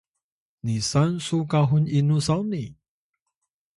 nisan su kahun inu sawni?